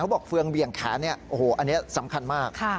เขาบอกเฟืองเวี่ยงแขนอันนี้สำคัญมาก